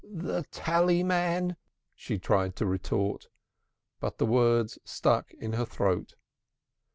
"The tallyman!" she tried to retort, but the words stuck in her throat.